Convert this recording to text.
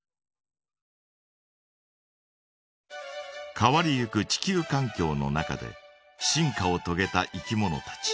変わりゆく地球かん境の中で進化をとげたいきものたち。